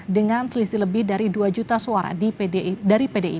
dengan selisih lebih dari dua juta suara dari pdip